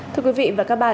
thưa quý vị và các bạn